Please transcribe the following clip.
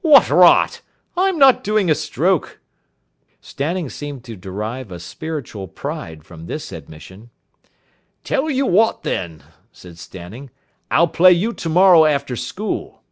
"What rot. I'm not doing a stroke." Stanning seemed to derive a spiritual pride from this admission. "Tell you what, then," said Stanning, "I'll play you tomorrow after school."